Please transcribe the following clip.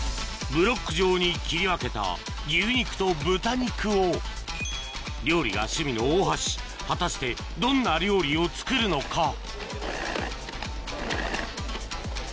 ブロック状に切り分けた牛肉と豚肉を料理が趣味の大橋果たしてどんな料理を作るのか？